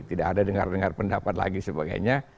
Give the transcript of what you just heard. tidak ada dengar dengar pendapat lagi sebagainya